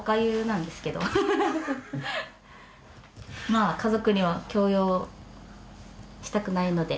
まあ家族には強要したくないので。